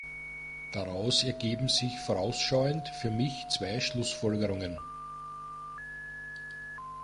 Daraus ergeben sich vorausschauend für mich zwei Schlussfolgerungen.